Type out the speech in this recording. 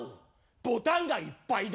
ボタンがいっぱいだ！